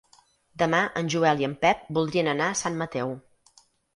Demà en Joel i en Pep voldrien anar a Sant Mateu.